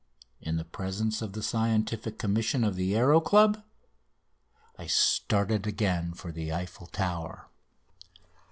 in presence of the Scientific Commission of the Aéro Club, I started again for the Eiffel Tower.